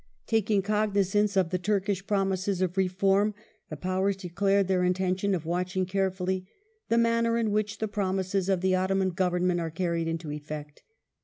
Taking cognizance of the Turkish promises of re form the Powers declaied their intention of watching carefully '* the manner in which the promises of the Ottoman Government are carried into effect